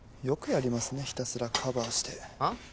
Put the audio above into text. よくやりますねひたすらカバーしてはあ？